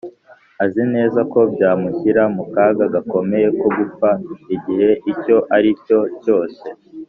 Azi neza ko byamushyira mu kaga gakomeye ko gupfa igihe icyo ari cyo cyose